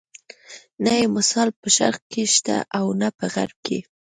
نه یې مثال په شرق کې شته او نه په غرب کې.